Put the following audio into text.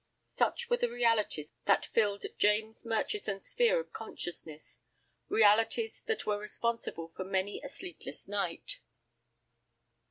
Such were the realities that filled James Murchison's sphere of consciousness, realities that were responsible for many a sleepless night.